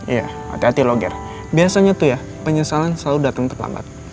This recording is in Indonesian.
iya hati hati lo ger biasanya tuh ya penyesalan selalu dateng terlambat